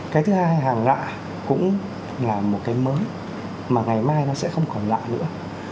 cái thứ hai hàng lạ cũng là một cái mới mà ngày mai nó sẽ không còn lạ nữa